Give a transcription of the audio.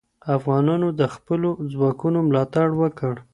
افغانانو د خپلو ځواکونو ملاتړ وکړ.